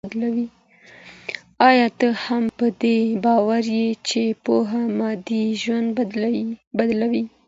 ايا ته هم په دې باور يې چي پوهه مادي ژوند بدلوي؟